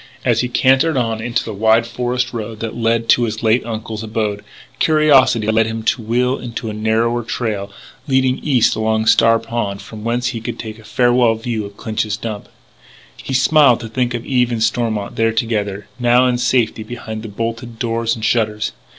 As he cantered on into the wide forest road that led to his late uncle's abode, curiosity led him to wheel into a narrower trail running east along Star Pond, and from whence he could take a farewell view of Clinch's Dump. He smiled to think of Eve and Stormont there together, and now in safety behind bolted doors and shutters.